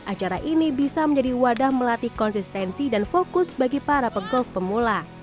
acara ini bisa menjadi wadah melatih konsistensi dan fokus bagi para pegolf pemula